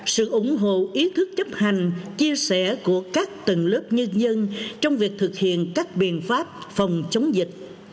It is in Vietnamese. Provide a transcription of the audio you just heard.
sự ủng hộ ý thức chấp hành chia sẻ của các tầng lớp nhân dân trong việc thực hiện các biện pháp phòng chống dịch